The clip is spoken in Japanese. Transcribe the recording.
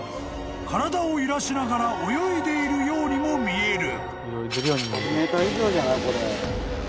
［体を揺らしながら泳いでいるようにも見える］